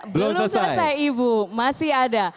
belum selesai ibu masih ada